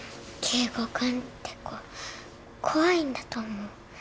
圭吾君って子怖いんだと思う